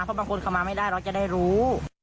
เพราะบางคนเขามาไม่ได้เราจะได้รู้